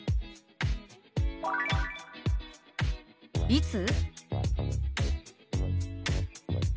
「いつ？」。